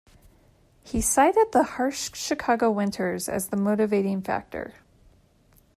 He cited the harsh Chicago winters as the motivating factor.